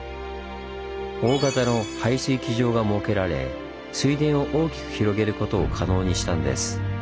大型の排水機場が設けられ水田を大きく広げることを可能にしたんです。